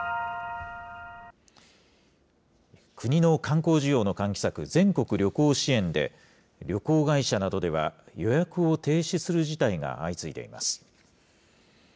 国の観光需要の喚起策、全国旅行支援で、旅行会社などでは、予約を停止する事態が相次いでいます。